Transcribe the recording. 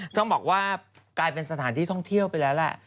ต้องบอกว่ากลายเป็นสถานที่ท่องเที่ยวไปแล้วแหละ